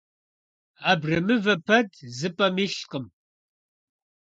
Абрэмывэ пэт зы пӀэм илъкъым.